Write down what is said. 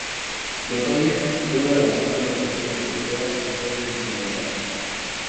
Letonia fue una de las últimas regiones europeas en ser cristianizada.